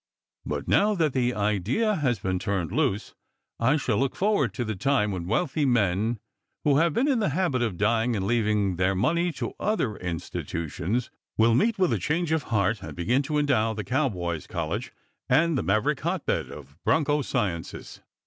But now that the idea has been turned loose, I shall look forward to the time when wealthy men who have been in the habit of dying and leaving their money to other institutions, will meet with a change of heart, and begin to endow the cowboys' college, and the Maverick hotbed of broncho sciences.